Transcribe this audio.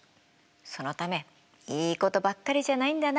そのためいいことばっかりじゃないんだな。